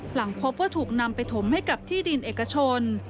หลังพบว่าถูกนำไปถมให้กับที่ดินเอกชน